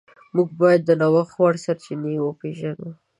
موږ باید د نوښت وړ سرچینې وپیژنو.